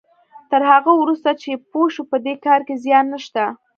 تر هغه وروسته چې پوه شو په دې کار کې زيان نشته.